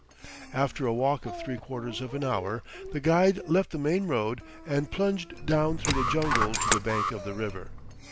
After a walk of three quarters of an hour the guide left the main road and plunged down through the jungle to the bank of the river.